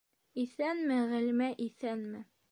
- Иҫәнме, Ғәлимә, иҫәнме.